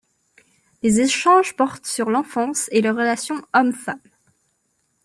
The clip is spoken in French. Les échanges portent sur l'enfance et les relations homme-femme.